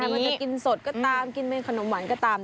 เกิดกินสดกระตามเกิดกินแม่นขนมหวานก็ตาม